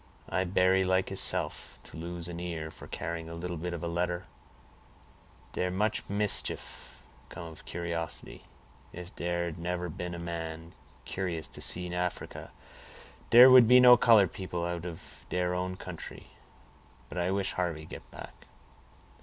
"I berry like heself to lose an ear for carrying a little bit of a letter; dere much mischief come of curiosity. If dere had nebber been a man curious to see Africa, dere would be no color people out of dere own country; but I wish Harvey get back."